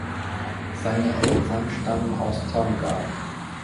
Seine Eltern stammen aus Tonga.